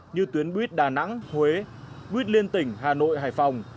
như tuyến buýt đà nẵng huế buýt liên tỉnh hà nội hải phòng